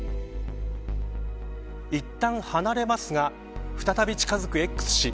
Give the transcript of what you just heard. いったん離れますが再び近づくＸ氏。